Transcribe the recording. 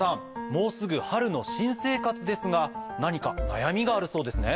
もうすぐ春の新生活ですが何か悩みがあるそうですね。